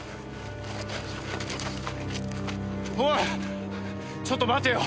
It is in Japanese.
おいちょっと待てよ。